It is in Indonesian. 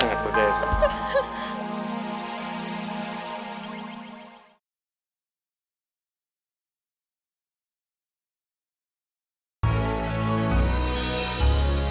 aku sangat bodoh ya tante